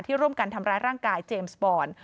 ร่วมกันทำร้ายร่างกายเจมส์บอล